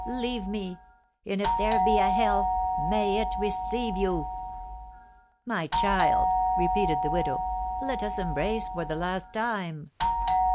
Leave me! And if there be a hell, may it receive you!" "My child," repeated the widow, "let us embrace for the last time!"